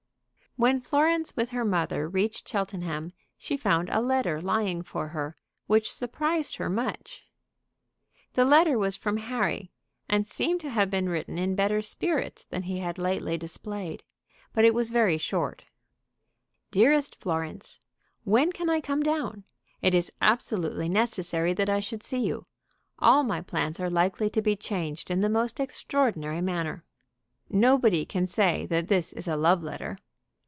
When Florence with her mother reached Cheltenham she found a letter lying for her, which surprised her much. The the letter was from Harry, and seemed to have been written in better spirits than he had lately displayed. But it was very short: "DEAREST FLORENCE, When can I come down? It is absolutely necessary that I should see you. All my plans are likely to be changed in the most extraordinary manner. "Nobody can say that this is a love letter.